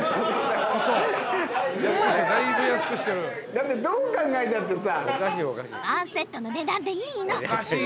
だってどう考えたってさ。